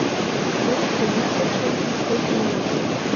Ош тӱня гычын колтемак!